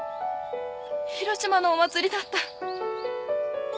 広島のお祭りだった。